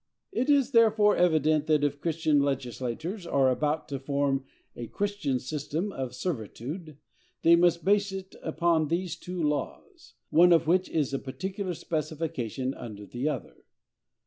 It is, therefore, evident that if Christian legislators are about to form a Christian system of servitude, they must base it on these two laws, one of which is a particular specification under the other.